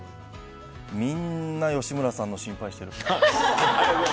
みんな、吉村さんの心配してる。